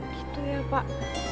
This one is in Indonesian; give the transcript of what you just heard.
gitu ya pak